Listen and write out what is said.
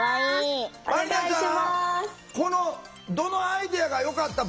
どのアイデアがよかった？